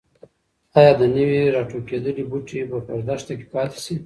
ایا د نوي راټوکېدلي بوټي به په دښته کې پاتې شي؟